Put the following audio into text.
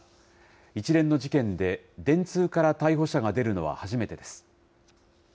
一連の事件で、電通から逮捕者が出るのは初めてです。